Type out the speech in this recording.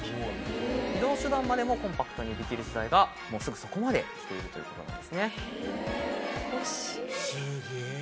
移動手段までもコンパクトにできる時代がもうすぐそこまで来ているということなんですね。